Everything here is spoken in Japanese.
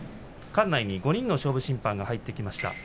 館内に５人の勝負審判が入ってきました。